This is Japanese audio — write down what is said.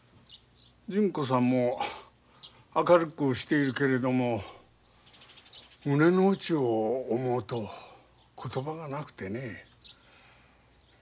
純子さんも明るくしているけれども胸の内を思うと言葉がなくてね。